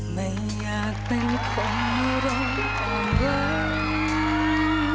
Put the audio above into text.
ไม่อยากเป็นคนลงของเวิร์น